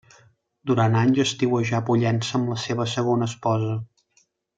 Durant anys estiuejà a Pollença amb la seva segona esposa.